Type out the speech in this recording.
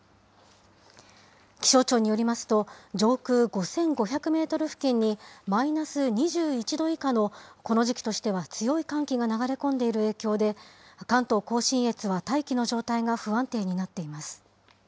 気象庁によりますと、上空５５００メートル付近にマイナス２１度以下のこの時期としては強い寒気が流れ込んでいる影響で、関東甲信越は大気の状態が不安定になっています。